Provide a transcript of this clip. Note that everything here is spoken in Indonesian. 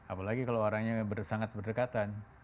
apalagi kalau orangnya sangat berdekatan